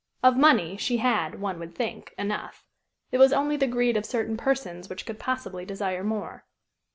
Of money, she had, one would think, enough. It was only the greed of certain persons which could possibly desire more.